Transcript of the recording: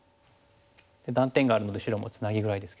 断点があるので白もツナギぐらいですけども。